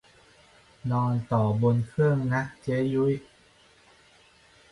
นอนต่อบนเครื่องนะเจ้ยุ้ย